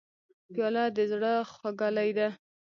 پیاله د زړه خوږلۍ ده.